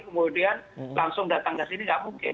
kemudian langsung datang ke sini tidak mungkin